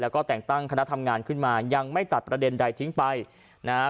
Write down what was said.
แล้วก็แต่งตั้งคณะทำงานขึ้นมายังไม่ตัดประเด็นใดทิ้งไปนะฮะ